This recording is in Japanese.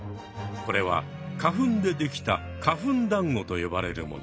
これは花粉でできた花粉だんごと呼ばれるもの。